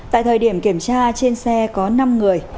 tại thời điểm kiểm tra trên xe có năm người